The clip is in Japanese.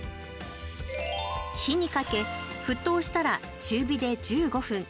火にかけ沸騰したら中火で１５分。